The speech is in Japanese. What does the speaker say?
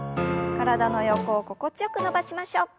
体の横を心地よく伸ばしましょう。